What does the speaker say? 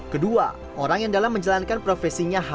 kedua orang yang dalam menjalankan proses penyelenggaraan